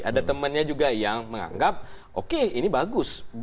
ada temannya juga yang menganggap oke ini bagus